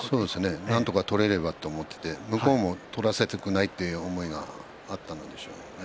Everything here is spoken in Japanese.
なんとか取ろうと思って、向こうも取らせたくない思いがあったんでしょうね。